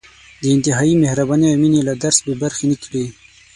د انتهايي مهربانۍ او مېنې له درس بې برخې نه کړي.